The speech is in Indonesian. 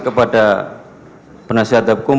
kepada penasihat hukum